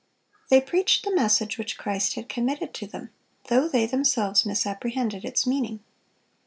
They preached the message which Christ had committed to them, though they themselves misapprehended its meaning.